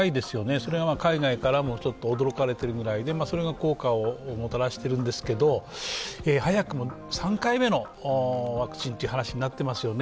それが海外からも驚かれてるくらいで、それが効果をもたらしてるんですけど早くも３回目のワクチンという話になっていますよね。